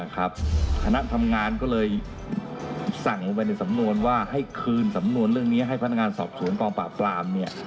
คณะทำงานก็เลยสั่งลงไปในสำนวนว่าให้คืนสำนวนเรื่องนี้ให้พนักงานสอบสวนกองปราบปราม